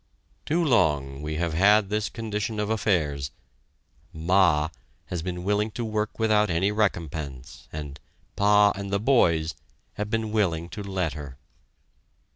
Too long we have had this condition of affairs: "Ma" has been willing to work without any recompense, and "Pa and the boys" have been willing to let her.